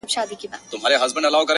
ستا د ښار د ښایستونو په رنګ ـ رنګ یم.